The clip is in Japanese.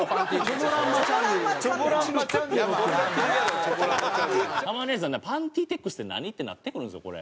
珠代姉さんパンティーテックスって何？ってなってくるんですよこれ。